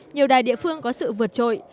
nhiều đài địa phương có sự vượt trội